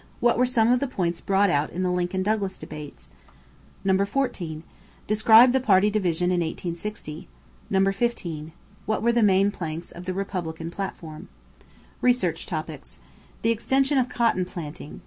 What were some of the points brought out in the Lincoln Douglas debates? 14. Describe the party division in 1860. 15. What were the main planks in the Republican platform? =Research Topics= =The Extension of Cotton Planting.